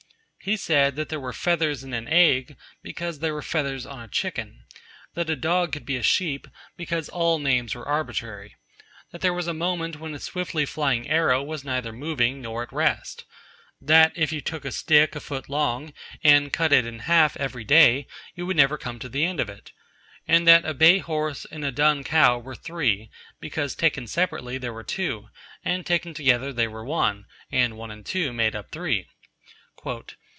He said that there were feathers in an egg, because there were feathers on a chicken; that a dog could be a sheep, because all names were arbitrary; that there was a moment when a swiftly flying arrow was neither moving nor at rest; that if you took a stick a foot long, and cut it in half every day, you would never come to the end of it; and that a bay horse and a dun cow were three, because taken separately they were two, and taken together they were one, and one and two made up three.